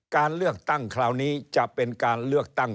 การเลือกตั้งคราวนี้จะเป็นการเลือกตั้ง